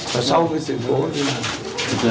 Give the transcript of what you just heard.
và sau cái sự cố